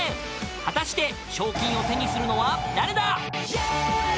［果たして賞金を手にするのは誰だ！］